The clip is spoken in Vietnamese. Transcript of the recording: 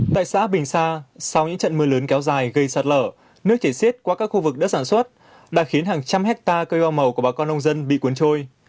tại xã bình sa sau những trận mưa lớn kéo dài gây sạt lở nước chảy xiết qua các khu vực đất sản xuất đã khiến hàng trăm hectare cây hoa màu của bà con nông dân bị cuốn trôi